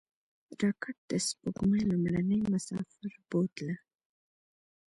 راکټ د سپوږمۍ لومړنی مسافر بوتله